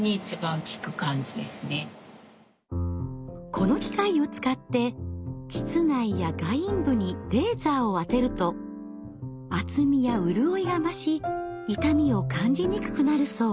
この機械を使って膣内や外陰部にレーザーを当てると厚みやうるおいが増し痛みを感じにくくなるそう。